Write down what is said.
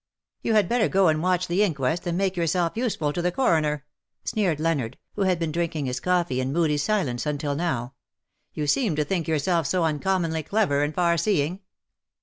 " You had better go and watch the inquest, and make yourself useful to the coroner/' sneered Leonard, who had been drinking his coffee in moody silence until now. " You seem to think yourself so uncommonly clever and far seeing."